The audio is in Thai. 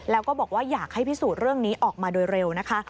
แล้วก็บอกว่าอยากให้พิสูจน์เรื่องนี้ออกมาโดยเร็วนะคะ